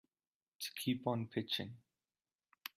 To keep on pitching.